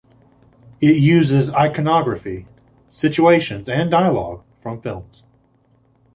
It uses iconography, situations and dialogue from films.